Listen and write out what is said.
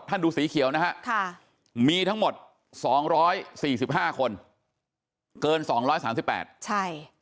ดูสีเขียวนะฮะมีทั้งหมด๒๔๕คนเกิน๒๓๘ใช่